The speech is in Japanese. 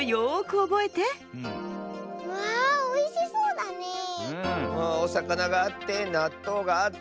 おさかながあってなっとうがあって。